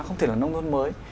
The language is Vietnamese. không thể là nông thôn mới